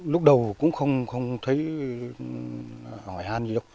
lúc đầu cũng không thấy hỏi hàn gì đâu